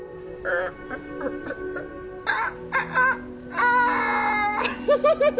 ああ？